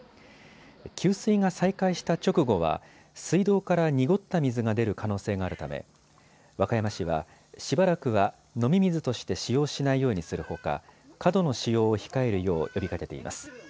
給水が再開した直後は水道から濁った水が出る可能性があるため和歌山市はしばらくは飲み水として使用しないようにするほか過度の使用を控えるよう呼びかけています。